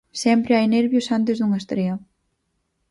Sempre hai nervios antes dunha estrea.